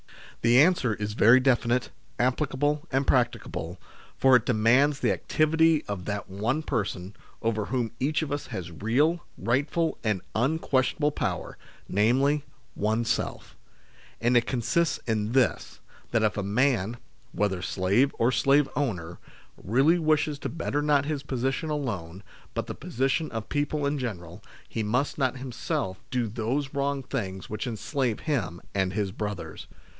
The answer is very definite, applicable, and practicable, for it de mands the activity of that one person, over whom each of us has real, rightful, and un n8 THE SLAVERY OF OUR TIMES questionable power, namely, oneself ; and it con sists in this, that if a man whether slave or slave owner really wishes to better not his position alone, but the position of people in general, he must not himself do those wrong things which enslave him and his brothers.